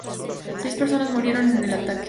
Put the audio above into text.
Seis personas murieron en el ataque.